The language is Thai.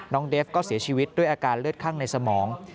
เดฟก็เสียชีวิตด้วยอาการเลือดข้างในสมอง